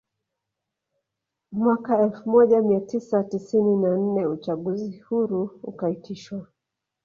Mwaka elfu moja mia tisa tisini na nne uchaguzi huru ukaitishwa